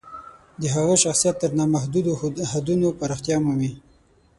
د هغه شخصیت تر نامحدودو حدونو پراختیا مومي.